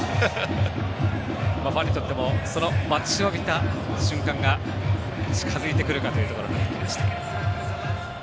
ファンにとってもその待ちわびた瞬間が近づいてくるかというところになってきました。